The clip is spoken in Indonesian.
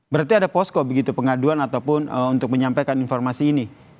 berarti ada posko begitu pengaduan ataupun untuk menyampaikan informasi ini